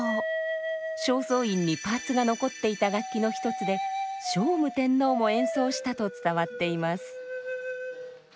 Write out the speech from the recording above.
正倉院にパーツが残っていた楽器の一つで聖武天皇も演奏したと伝わっています。